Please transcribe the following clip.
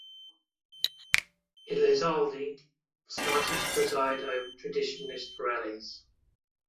Elizalde started to preside over Traditionalist rallies.